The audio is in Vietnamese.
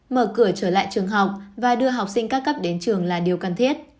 mở cửa trở lại trường học và đưa học sinh các cấp đến trường là điều cần thiết